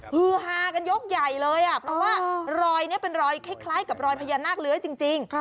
ฮือฮากันยกใหญ่เลยเพราะว่ารอยนี้เป็นรอยคล้ายกับรอยพญานาคเลื้อยจริง